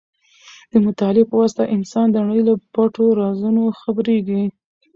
د مطالعې په واسطه انسان د نړۍ له پټو رازونو خبرېږي.